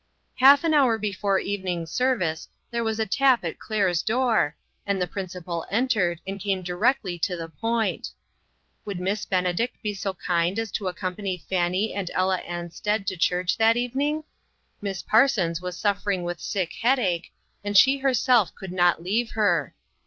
Half an hour before evening service there was a tap at Claire's door, and the princi pal entered, and came directly to the point: Would Miss Benedict be so kind as to ac company Fanny and Ella Ansted to church that evening ? Miss Parsons was suffering with sick headache, and she herself could not leave her.